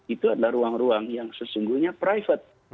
itu adalah ruang ruang yang sesungguhnya private